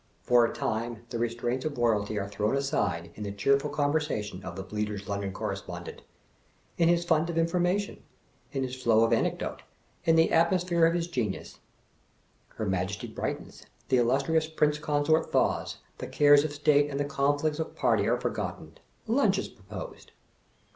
For a time, the restraints of Eoyalty are thrown aside in the cheerful conversation of the Bleater's London Correspondent, in his fund of infor mation, in his flow of anecdote, in the atmosphere of his genius ; her Majesty brightens, the illustrious Prince Con sort thaws, the cares of State and the conflicts of Party are forgotten, lunch is proposed.